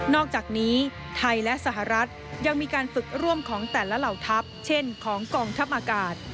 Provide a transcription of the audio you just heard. อกจากนี้ไทยและสหรัฐยังมีการฝึกร่วมของแต่ละเหล่าทัพเช่นของกองทัพอากาศ